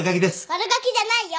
悪ガキじゃないよ。